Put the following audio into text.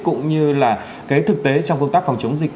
cũng như là cái thực tế trong công tác phòng chống dịch